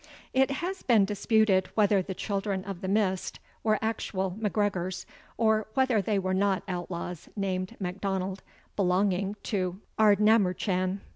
It has been disputed whether the Children of the Mist were actual MacGregors, or whether they were not outlaws named MacDonald, belonging to Ardnamurchan.